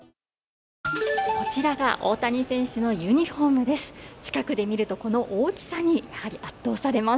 こちらが大谷選手のユニフォームです。